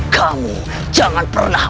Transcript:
kamu jangan pernah